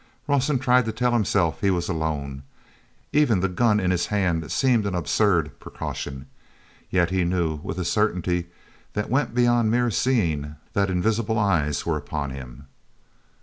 Rawson tried to tell himself he was alone. Even the gun in his hand seemed an absurd precaution. Yet he knew, with a certainty that went beyond mere seeing, that invisible eyes were upon him.